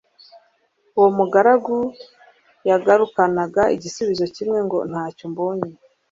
uwo mugaragu yagarukanaga igisubizo kimwe ngo Ntacyo mbonye